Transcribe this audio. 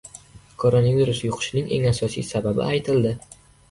Koronavirus yuqishining eng asosiy sababi aytildi